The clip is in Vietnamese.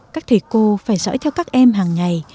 các thầy cô phải dõi theo các em hàng ngày